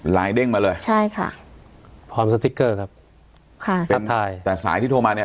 เด้งมาเลยใช่ค่ะพร้อมสติ๊กเกอร์ครับค่ะเป็นใช่แต่สายที่โทรมาเนี้ย